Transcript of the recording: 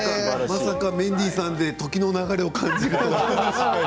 まさかメンディーさんで時の流れを感じるとは。